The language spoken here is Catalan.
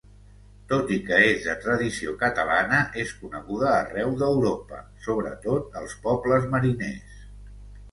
Tot i que és de tradició catalana és coneguda arreu d'Europa, sobretot als pobles mariners.